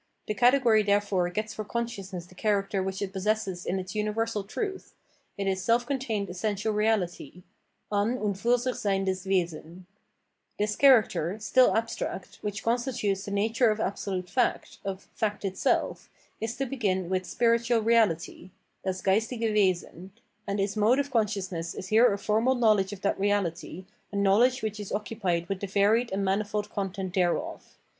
The category therefore gets for consciousness the character which it possesses in its universal truth — ^it is self contained 430 431 Spirit essential reality {an und fiirsicJiseyndes Weseri). This character, stiU abstract, which constitutes the nature of absolute fact, of "fact itself," is to begin with " spiritual reahty " {das geistige Wesen) ; and its mode of consciousness is here a formal knowledge of that reality, a knowledge which is occupied with the varied and manifold content thereof.